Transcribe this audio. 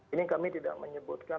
ini kami tidak menyebutkan